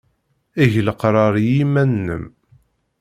Eg leqrar i yiman-nnem.